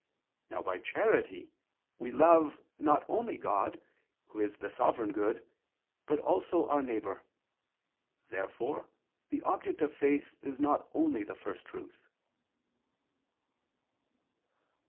Now by charity we love not only God, who is the sovereign Good, but also our neighbor. Therefore the object of Faith is not only the First Truth.